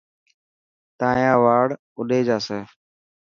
تايان وار اوڏي جاسي.